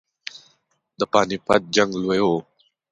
د پاني پټ جنګ لوی وو.